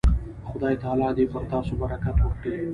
خدای تعالی دې پر تاسو برکت وکړي.